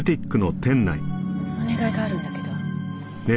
お願いがあるんだけど。